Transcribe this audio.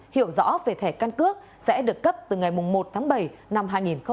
hiểu rõ về thẻ căn cước sẽ được cấp từ ngày một tháng bảy năm hai nghìn hai mươi